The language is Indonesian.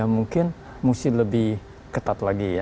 mungkin mesti lebih ketat lagi ya